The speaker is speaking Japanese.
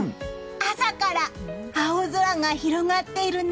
朝から青空が広がっているね！